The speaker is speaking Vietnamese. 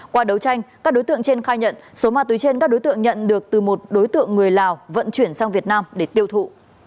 qua đấu tranh các đối tượng trên khai nhận số ma túy trên các đối tượng nhận được từ một đối tượng người lào vận chuyển sang việt nam để tiêu thụ